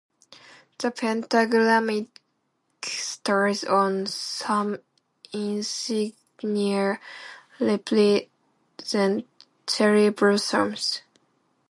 The pentagramic stars on some insignia represent cherry blossoms.